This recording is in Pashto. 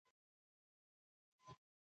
دریم پړاو د دوران یو مهم پړاو دی